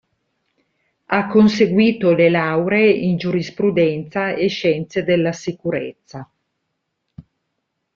Ha conseguito le lauree in giurisprudenza e scienze della sicurezza.